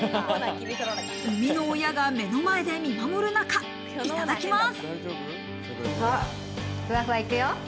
生みの親が目の前で見守るなか、いただきます。